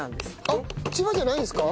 あっ千葉じゃないんですか？